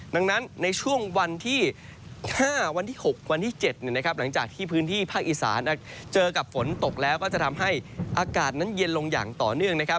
ดังนั้นในช่วงวันที่๕วันที่๖วันที่๗หลังจากที่พื้นที่ภาคอีสานเจอกับฝนตกแล้วก็จะทำให้อากาศนั้นเย็นลงอย่างต่อเนื่องนะครับ